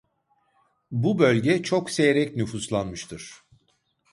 Bu bölge çok seyrek nüfuslanmıştır.